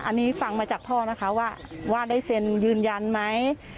อันนี้ฟังมาจากพ่อนะคะว่าได้เซ็นยืนยันไหม